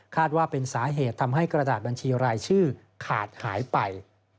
ว่าเป็นสาเหตุทำให้กระดาษบัญชีรายชื่อขาดหายไป